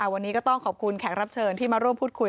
วันนี้ก็ต้องขอบคุณแขกรับเชิญที่มาร่วมพูดคุย